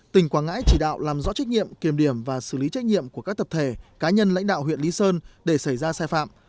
tỉnh quảng ngãi chỉ đạo làm rõ trách nhiệm kiềm điểm và xử lý trách nhiệm của các tập thể cá nhân lãnh đạo huyện lý sơn để xảy ra sai phạm